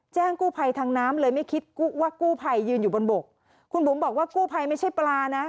แจ้งกู้ภัยทางน้ำเลยไม่คิดว่ากู้ภัยยืนอยู่บนบกคุณบุ๋มบอกว่ากู้ภัยไม่ใช่ปลานะ